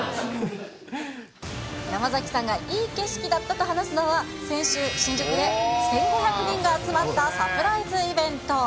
山崎さんがいい景色だったと話すのは、先週新宿で１５００人が集まったサプライズイベント。